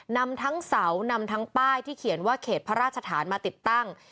นำทั้งเสานำทั้งป้ายที่เขียนว่าเขตพระราชฐานมาติดตั้ง